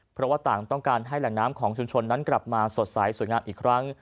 เพราะว่าต่างต้องการให้แหล่งน้ำของชุมชนนั้นกลับมาสดใสสวยงามอีกครั้ง